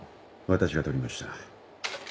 私が撮りました。